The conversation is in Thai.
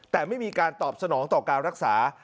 แต่ไม่มีการตอบสนองต่อการรักษา